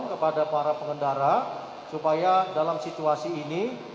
kepada para pengendara supaya dalam situasi ini